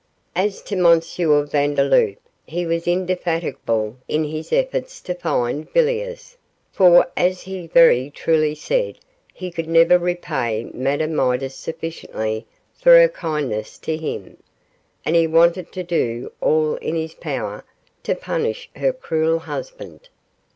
As to M. Vandeloup, he was indefatigable in his efforts to find Villiers, for, as he very truly said, he could never repay Madame Midas sufficiently for her kindness to him, and he wanted to do all in his power to punish her cruel husband.